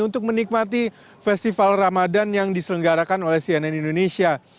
untuk menikmati festival ramadan yang diselenggarakan oleh cnn indonesia